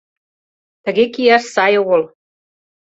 — Тыге кияш сай огыл.